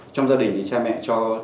trong gia đình thì cha mẹ cho